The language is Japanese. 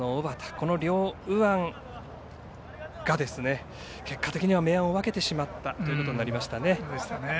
この両右腕が、結果的には明暗を分けたということになりますね。